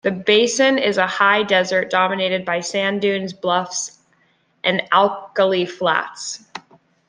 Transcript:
The basin is a high desert dominated by sand dunes, bluffs and alkali flats.